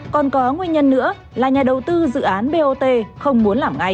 còn có nguyên nhân nữa là nhà đầu tư dự án bot không muốn làm ngay